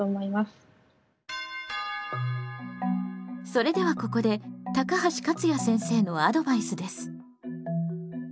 それではここで高橋勝也先生のアドバイスです。